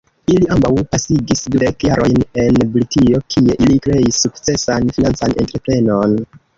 Ili ambaŭ pasigis dudek jarojn en Britio, kie ili kreis sukcesan financan entreprenon.